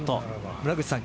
村口さん